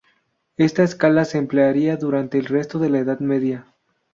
Esta escala se emplearía durante el resto de la Edad Media.